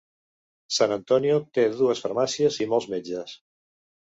San Antonio té dues farmàcies i molts metges.